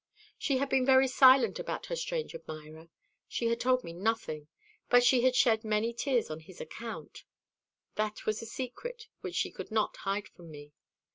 She had been very silent about her strange admirer she had told me nothing but she had shed many tears on his account. That was a secret which she could not hide from me.